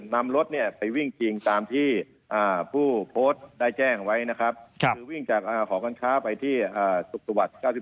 นำรถเนี้ยไปวิ่งจริงตามที่อ่าผู้โพรตได้แจ้งไว้นะครับ